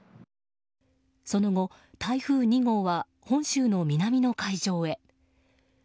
その後、台風２号は本州の南の海上へ。